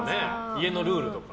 家のルールとか。